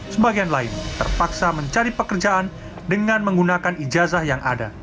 sebagian lain terpaksa mencari pekerjaan dengan menggunakan ijazah yang ada